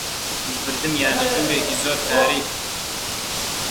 بردیانمە ژوورێکی زۆر تاریک